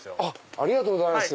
ありがとうございます。